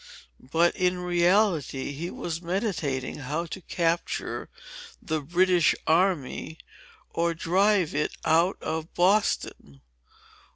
But, in reality, he was meditating how to capture the British army, or drive it out of Boston.